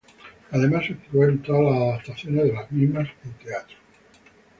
Además actuó en todas las adaptaciones de las mismas en teatro.